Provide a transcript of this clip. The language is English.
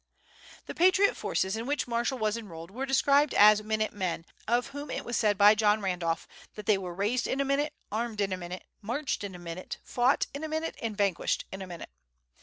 The patriot forces in which Marshall was enrolled were described as minute men, of whom it was said by John Randolph that they "were raised in a minute, armed in a minute, marched in a minute, fought in a minute, and vanquished in a minute."